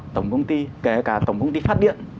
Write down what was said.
tổng công ty kể cả tổng công ty phát điện